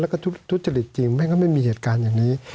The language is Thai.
แล้วก็ทุจริตจริงไม่งั้นก็ไม่มีเหตุการณ์อย่างนี้